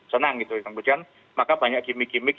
senang gitu kemudian maka banyak gimmick gimmick